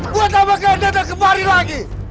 buat apa kalian datang kembali lagi